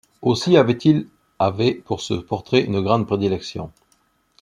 Aussi avait-il avait pour ce portrait une grande prédilection.